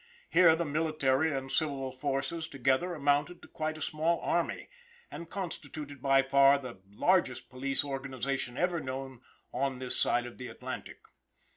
Here the military and civil forces together amounted to quite a small army, and constituted by far the largest police organization ever known on this side of the Atlantic.